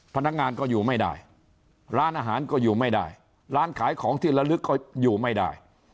พนักงานก็อยู่ไม่ได้ร้านอาหารก็อยู่ไม่ได้ร้านขายของที่ละลึกก็อยู่ไม่ได้